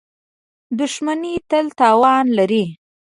• دښمني تل تاوان لري.